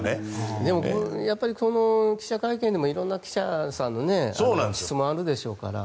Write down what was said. でも、記者会見でもいろんな記者さんの質問もあるでしょうからね。